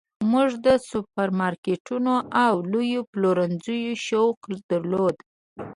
موږ د سوپرمارکیټونو او لویو پلورنځیو شوق درلود